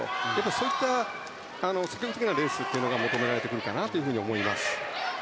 そういった積極的なレースが求められてくるかなと思います。